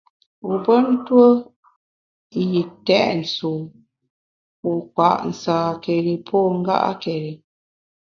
Wu pe ntue yi têt sùwu, wu kpa’ nsâkeri pô nga’keri.